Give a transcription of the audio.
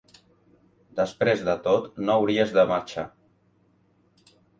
Després de tot, no hauries de marxar.